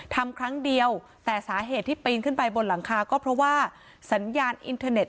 ครั้งเดียวแต่สาเหตุที่ปีนขึ้นไปบนหลังคาก็เพราะว่าสัญญาณอินเทอร์เน็ต